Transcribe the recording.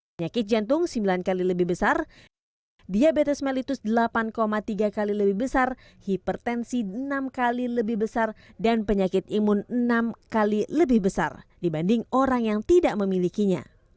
penyakit jantung sembilan kali lebih besar diabetes mellitus delapan tiga kali lebih besar hipertensi enam kali lebih besar dan penyakit imun enam kali lebih besar dibanding orang yang tidak memilikinya